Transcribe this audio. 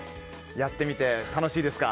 やってみて楽しいですか？